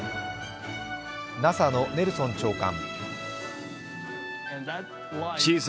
ＮＡＳＡのネルソン長官。